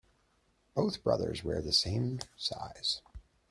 Both brothers wear the same size.